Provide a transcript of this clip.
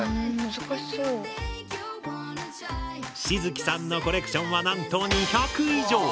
しづきさんのコレクションはなんと２００以上！